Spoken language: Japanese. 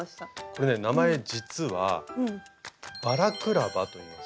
これね名前実は「バラクラバ」といいます。